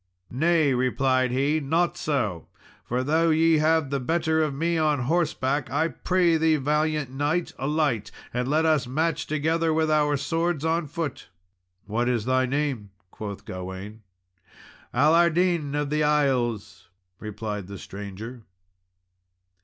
"Nay," replied he, "not so; for though ye have the better of me on horseback, I pray thee, valiant knight, alight, and let us match together with our swords on foot." "What is thy name?" quoth Gawain. "Allardin of the Isles," replied the stranger.